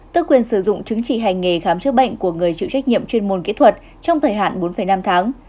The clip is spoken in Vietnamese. tức quyền sử dụng chứng chỉ hành nghề khám chữa bệnh của người chịu trách nhiệm chuyên môn kỹ thuật trong thời hạn bốn năm tháng